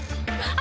あ。